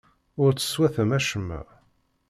Ur teswatam acemma.